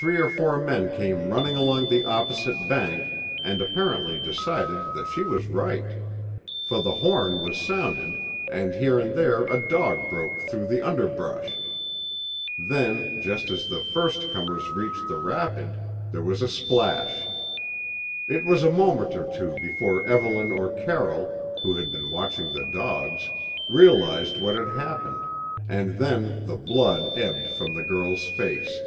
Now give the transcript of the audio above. Three or four men came running along the opposite bank and apparently decided that she was right, for the horn was sounded and here and there a dog broke through the underbrush; then, just as the first comers reached the rapid, there was a splash. It was a moment or two before Evelyn or Carroll, who had been watching the dogs, realised what had happened, and then the blood ebbed from the girl's face.